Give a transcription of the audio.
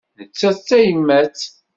Nettat d tayemmat.